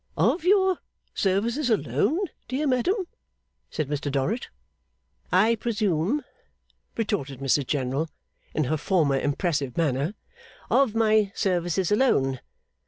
'Of your services alone, dear madam?' said Mr Dorrit. 'I presume,' retorted Mrs General, in her former impressive manner, 'of my services alone.